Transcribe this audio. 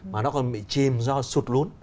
mà nó còn bị chìm do sụt lún